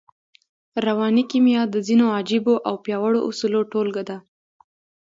رواني کيميا د ځينو عجييو او پياوړو اصولو ټولګه ده.